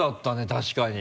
確かに。